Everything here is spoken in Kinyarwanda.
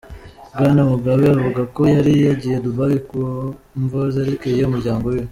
Bwana Mugabe avuga ko yari yagiye Dubai ku mvo zerekeye umuryango wiwe.